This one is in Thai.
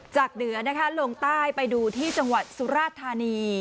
จากเหนือลงใต้ไปดูที่จังหวัดสุราธารณี